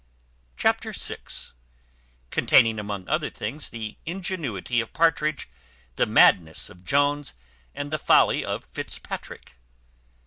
Chapter vi. Containing, among other things, the ingenuity of Partridge, the madness of Jones, and the folly of Fitzpatrick.